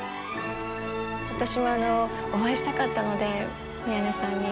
私もお会いしたかったので、宮根さんに。